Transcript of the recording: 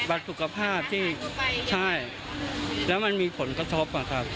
บัตรสุขภาพที่ใจและมันมีผลกระทบ